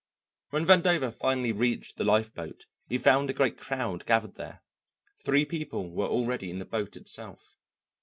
When Vandover finally reached the lifeboat, he found a great crowd gathered there; three people were already in the boat itself.